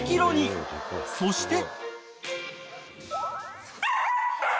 ［そして］